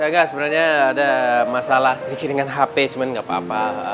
ya gak sebenernya ada masalah sikit dengan hp cuman gak apa apa